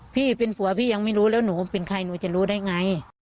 พี่เป็นผัวพี่ยังไม่รู้แล้วหนูเป็นใครหนูจะรู้ได้ไง